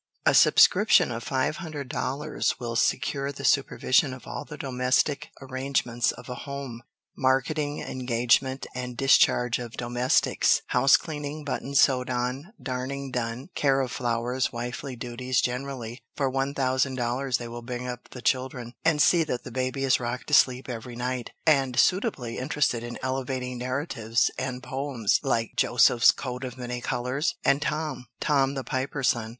A subscription of five hundred dollars will secure the supervision of all the domestic arrangements of a home marketing, engagement and discharge of domestics, house cleaning, buttons sewed on, darning done, care of flowers, wifely duties generally; for one thousand dollars they will bring up the children, and see that the baby is rocked to sleep every night, and suitably interested in elevating narratives and poems like Joseph's coat of many colors, and Tom, Tom the Piper's Son.